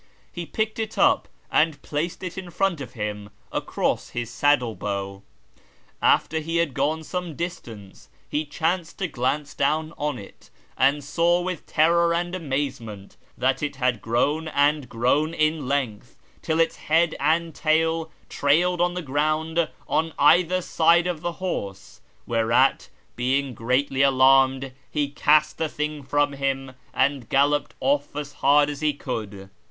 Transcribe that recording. He picked it up and placed it in front of him across his saddle bow. After he had gone some distance, he chanced to glance down on it, and saw with terror and amazement that it had grown and grown in length till its head and tail trailed on the ground on either side of the horse : whereat, being greatly alarmed, he cast the tiling from him and galloped off as hard as he could.